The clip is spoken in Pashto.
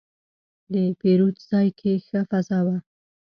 د پیرود ځای کې ښه فضا وه.